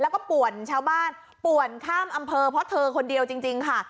แล้วก็ป่วนชาวบ้านป่วนข้ามอำเภอเพราะเธอคนเดียวจริงค่ะ